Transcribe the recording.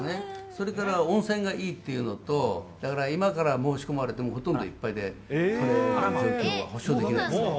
それから、温泉がいいっていうのと、だから今から申し込まれてもほとんどいっぱいで、取れる保証というのは、保証はできないですね。